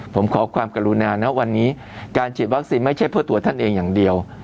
ผมขอความกรุณานะวันนี้การฉีดวัคซีนไม่ใช่เพื่อตัวท่านเองอย่างเดียว